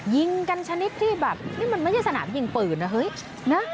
ยิงกันชนิดที่แบบนี่มันไม่ใช่สนามยิงปืนนะเฮ้ยนะ